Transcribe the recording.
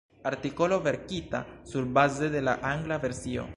Artikolo verkita surbaze de la angla versio.